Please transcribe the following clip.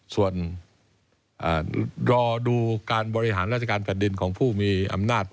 ส่วนรอดูการบริหารราชการแผ่นดินของผู้มีอำนาจ